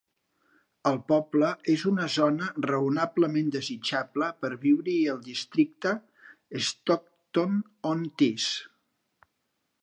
El poble és una zona raonablement desitjable per viure-hi al districte Stockton-on-Tees.